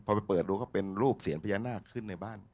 พอไปเปิดดูก็เป็นรูปเสียญพญานาคขึ้นในบ้าน